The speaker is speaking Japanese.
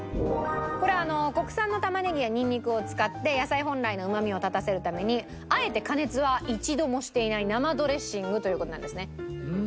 これ国産のタマネギやニンニクを使って野菜本来のうまみを立たせるためにあえて加熱は一度もしていない生ドレッシングという事なんですね。